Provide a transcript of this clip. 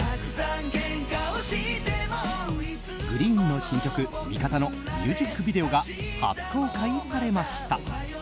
ＧＲｅｅｅｅＮの新曲「味方」のミュージックビデオが初公開されました。